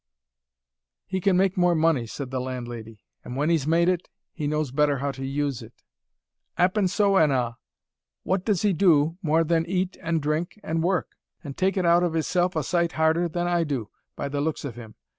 "He can make more money," said the landlady. "And when he's made it, he knows better how to use it." "'Appen so, an' a'! What does he do, more than eat and drink and work? an' take it out of hisself a sight harder than I do, by th' looks of him.